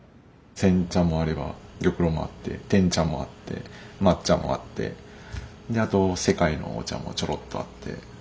煎茶もあれば玉露もあって碾茶もあって抹茶もあってあと世界のお茶もちょろっとあって。